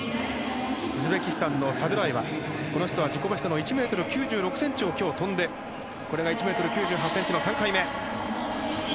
ウズベキスタンのサドゥラエワこの人は１ｍ９８ｃｍを跳んでこれが１ｍ９８ｃｍの３回目。